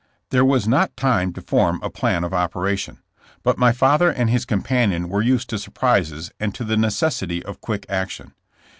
There was not time to form a plan of operation. But my father and his companion were used to sur prises and to the necessity of quick action.